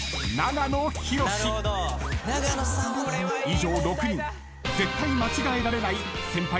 ［以上６人絶対間違えられない先輩